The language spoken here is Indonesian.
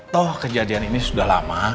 toh kejadian ini sudah lama